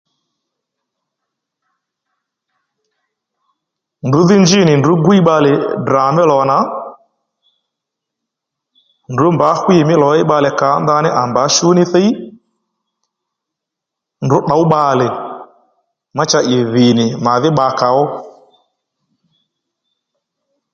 Ndrǔ dhí njí nì ndrǔ gwiy bbalè Ddrà mí lò nà ndrǔ mbǎ hwî mí lò-ɦéy bbalè kǎ nga ní à mbǎ shú ní thíy, ndrǔ tdǒw bbalè má cha ì dhì nì màdhí bbakà ó